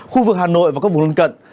khu vực hà nội và các vùng lân cận